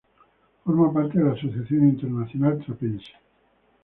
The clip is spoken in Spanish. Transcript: Forma parte de la Asociación Internacional Trapense.